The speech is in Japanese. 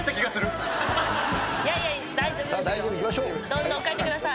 どんどん書いてください。